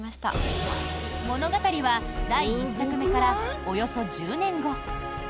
物語は第１作目からおよそ１０年後。